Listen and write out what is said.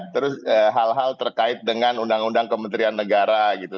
terus hal hal terkait dengan undang undang kementerian negara gitu